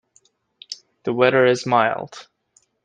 The weather is mild.